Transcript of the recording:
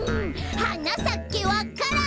「はなさけわか蘭」